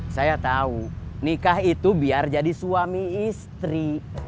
saya tahu nikah itu biar jadi suami istri